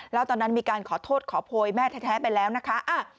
แล้วตอนนั้นมีการขอโทษขอโพยแม่แท้ไปแล้วนะคะ